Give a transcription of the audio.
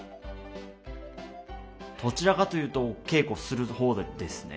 どちらかというと稽古する方ですね。